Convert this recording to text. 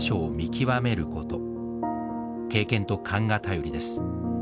経験と勘が頼りです。